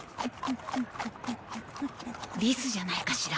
リスじゃないかしら。